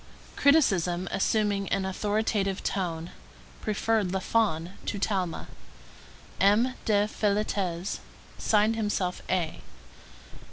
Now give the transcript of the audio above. Criticism, assuming an authoritative tone, preferred Lafon to Talma. M. de Féletez signed himself A.